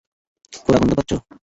পোড়া গন্ধ পাচ্ছ?